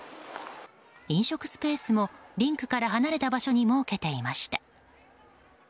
飲食スペースもリンクから離れた場所に設けていました。